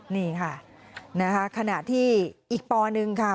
นี่ค่ะนะคะขณะที่อีกปนึงค่ะ